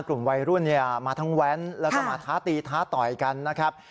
กลุ่มวัยรุ่นเนี่ยมาทั้งแว้นแล้วก็มาท้าตีท้าต่อยกันนะครับ